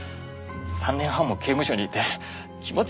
３年半も刑務所にいて気持ち変わったんですよ。